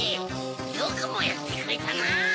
よくもやってくれたな！